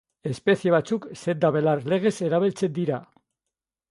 Espezie batzuk sendabelar legez erabiltzen dira.